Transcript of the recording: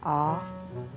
oh seperti itu